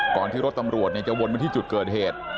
ก่อนที่รถตำรวจเนี่ยจะวนมาที่จุดเกิดเหตุ